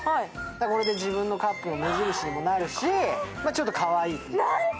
これで自分のカップの目印にもなるし、ちょっとかわいいと。